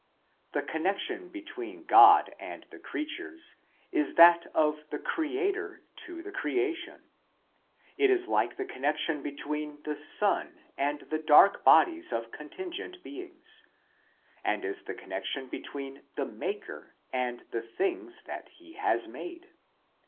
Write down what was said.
The connection between God and the creatures is that of the creator to the creation; it is ^like the connection between the sun and the dark bodies of contingent beings, and is the connection between the maker and the things that he has made.